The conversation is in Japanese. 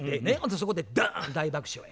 そこでドーン大爆笑や。